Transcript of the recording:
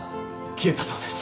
消えたそうです。